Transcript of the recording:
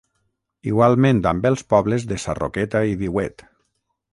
Igualment amb els pobles de Sarroqueta i Viuet.